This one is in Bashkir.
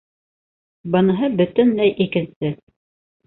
Быныһы бөтөнләй икенсе